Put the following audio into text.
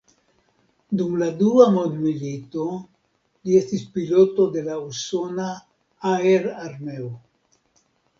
Dum la Dua Mondmilito li estis piloto de la usona aerarmeo.